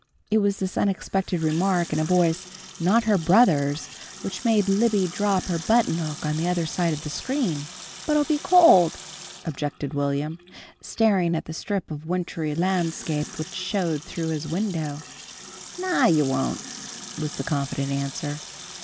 It was this unexpected remark in a voice, not her brother's, which made Libby drop her button hook, on the other side of the screen. "But I'll be cold," objected Will'm, staring at the strip of wintry landscape which showed through his window. "Naw, you won't," was the confident answer.